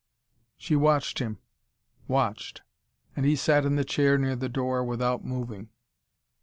She watched him, watched. And he sat in the chair near the door, without moving.